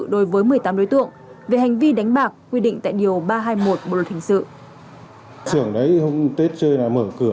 đối với một mươi tám đối tượng về hành vi đánh bạc quy định tại điều ba trăm hai mươi một bộ luật hình sự